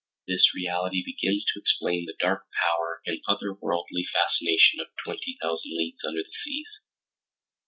This reality begins to explain the dark power and otherworldly fascination of Twenty Thousand Leagues Under the Seas.